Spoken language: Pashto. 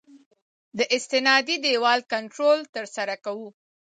د استنادي دیوال کنټرول ترسره کوو